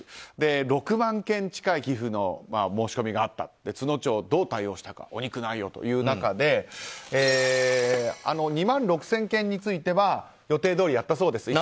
６万件近い寄付の申し込みがあった都農町、どう対応したかお肉ないよという中で２万６０００件については予定どおりやったそうです。